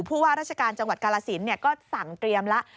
ผู้ว่าราชการจังหวัดกาลสินก็สั่งเตรียมแล้ว